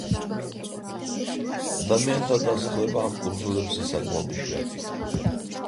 ადამიანთა დასახლება ამ კუნძულებზე საკმაოდ იშვიათია.